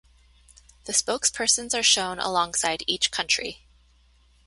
The spokespersons are shown alongside each country.